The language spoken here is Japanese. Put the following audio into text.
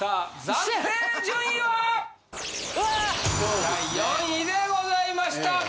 第４位でございました。